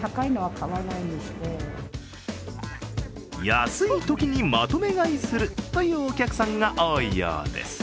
安いときにまとめ買いするというお客さんが多いようです。